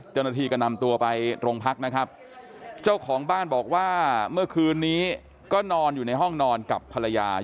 เจ้าหน้าที่ก็นำตัวไปโรงพักนะครับเจ้าของบ้านบอกว่าเมื่อคืนนี้ก็นอนอยู่ในห้องนอนกับภรรยา